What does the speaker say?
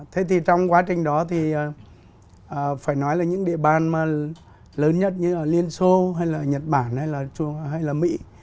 thế thì trong quá trình đó thì phải nói là những địa bàn lớn nhất như liên xô hay là nhật bản hay là mỹ